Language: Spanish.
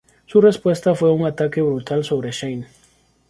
Su respuesta fue un ataque brutal sobre Shane.